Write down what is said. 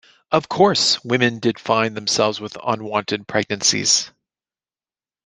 Of course, women did find themselves with unwanted pregnancies.